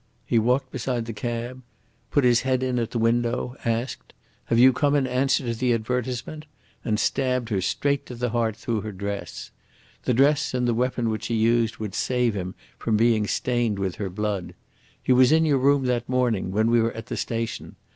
He walked beside the cab, put his head in at the window, asked, 'Have you come in answer to the advertisement?' and stabbed her straight to the heart through her dress. The dress and the weapon which he used would save him from being stained with her blood. He was in your room that morning, when we were at the station.